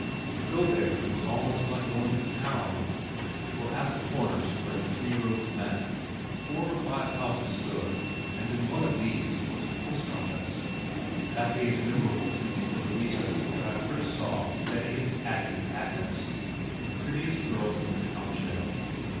To go there was almost like going to town, for at the corners where the three roads met, four or five houses stood and in one of these was a postoffice. That day is memorable to me for the reason that I first saw Bettie and Hattie and Agnes, the prettiest girls in the township.